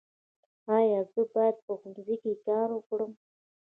ایا زه باید په ښوونځي کې کار وکړم؟